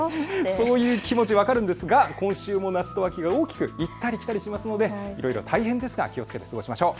そういう気持ち、分かるんですが今週も夏と秋が大きく行ったり来たりしますのでいろいろと大変ですが気をつけて過ごしましょう。